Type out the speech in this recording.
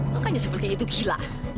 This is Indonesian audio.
makanya seperti itu gila